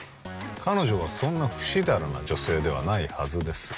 彼女はそんなふしだらな女性ではないはずです